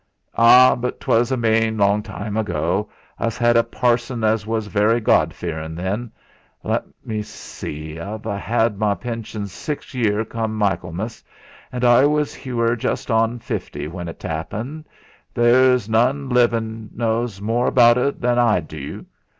"Ah! but 'twas a main long time ago. Us 'ad a parson as was very God fearin' then. Let me see, I've a 'ad my pension six year come Michaelmas, an' I were just on fifty when t'appened. There's none livin' knows more about et than what I du.